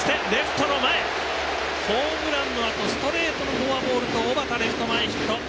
ホームランのあとストレートのフォアボールと小幡、レフト前ヒット。